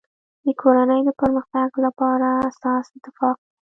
د کورنی د پرمختګ لپاره اساس اتفاق دی.